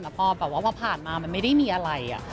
แต่พอผ่านมามันไม่ได้มีอะไร